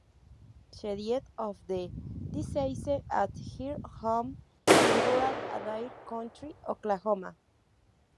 She died of the disease at her home in rural Adair County, Oklahoma.